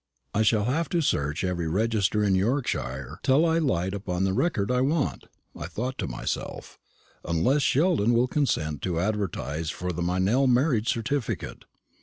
"I shall have to search every register in Yorkshire till I light upon the record I want," I thought to myself, "unless Sheldon will consent to advertise for the Meynell marriage certificate.